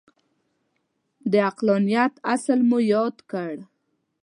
د عقلانیت اصل مو یاد کړ.